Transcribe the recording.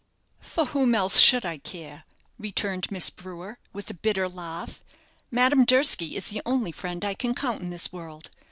"For whom else should I care?" returned Miss Brewer, with a bitter laugh. "Madame Durski is the only friend I can count in this world.